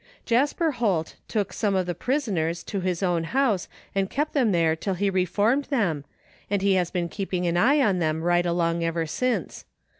Jasper Holt took some of the prisoners to his own house and kept them there till he reformed them, and he has been keeping an eye on them right along ever since.